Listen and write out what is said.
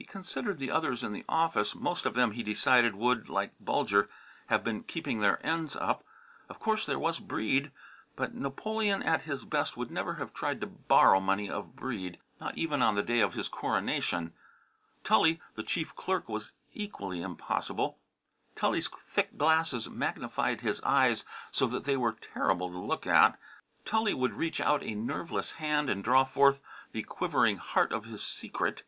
He considered the others in the office. Most of them, he decided, would, like Bulger, have been keeping their ends up. Of course, there was Breede. But Napoleon at his best would never have tried to borrow money of Breede, not even on the day of his coronation. Tully, the chief clerk, was equally impossible. Tully's thick glasses magnified his eyes so that they were terrible to look at. Tully would reach out a nerveless hand and draw forth the quivering heart of his secret.